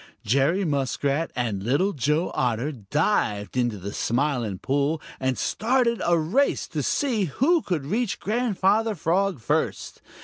Jerry Muskrat and Little Joe Otter dived into the Smiling Pool and started a race to see who could reach Grandfather Frog first.